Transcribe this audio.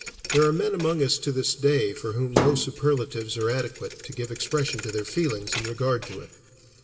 There are men among us to this day for whom no superlatives are adequate to give expression to their feelings in regard to him.